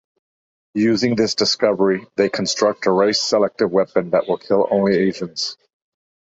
Using this discovery, they construct a race-selective weapon that will kill only Asians.